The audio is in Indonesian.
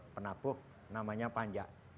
penabuh namanya panjak